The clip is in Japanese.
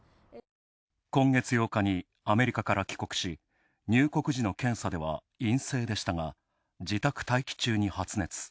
今月８日、アメリカから帰国し、入国時の検査では陰性でしたが自宅待機中に発熱。